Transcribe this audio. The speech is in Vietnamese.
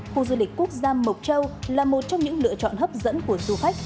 khu du lịch quốc gia mộc châu là một trong những lựa chọn hấp dẫn của du khách